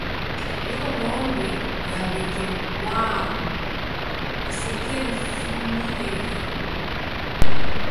Yeko ng'ombe ya w'eke mwaaw'u kuserefunyireghe.